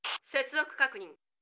「接続確認。